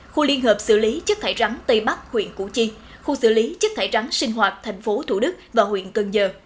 khu liên hợp xử lý chất thải rắn tây bắc huyện củ chi khu xử lý chất thải rắn sinh hoạt tp thủ đức và huyện cần giờ